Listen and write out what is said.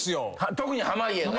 特に濱家な。